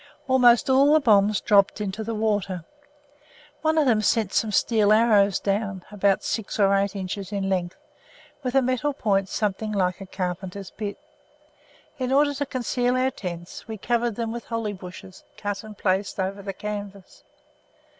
Almost all the bombs dropped into the water. One of them sent some steel arrows down, about six or eight inches in length, with a metal point something like a carpenter's bit. In order to conceal our tents, we covered them with holly bushes, cut and placed over the canvas.